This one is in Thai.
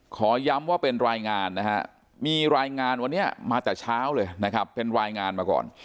ขอย้ำว่าเป็นรายงานนะฮะมีรายงานวันนี้มาแต่เช้าเลยนะครับเป็นรายงานมาก่อน